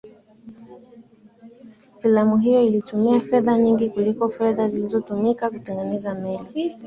filamu hiyo ilitumia fedha nyingi kuliko fedha zilizotumika kutengeneza meli